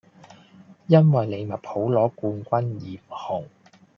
因為利物浦攞冠軍染紅